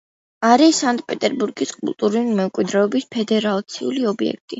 არის სანქტ-პეტერბურგის კულტურული მემკვიდრეობის ფედერალური ობიექტი.